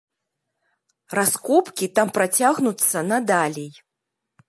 Раскопкі там працягнуцца надалей.